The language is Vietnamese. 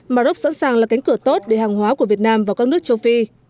mà rốc sẵn sàng là cánh cửa tốt để hàng hóa của việt nam vào các nước châu phi